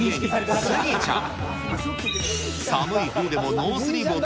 スギちゃんか。